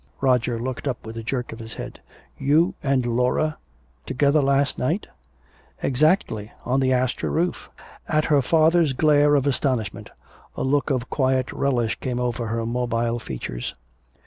Roger looked up with a jerk of his head: "You and Laura together last night?" "Exactly on the Astor Roof." At her father's glare of astonishment a look of quiet relish came over her mobile features.